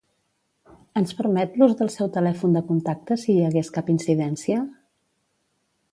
Ens permet l'ús del seu telèfon de contacte si hi hagués cap incidència?